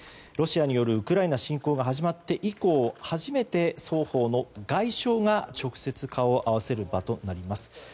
ロシアによるウクライナ侵攻が始まって以降初めて、双方の外相が直接顔を合わせる場となります。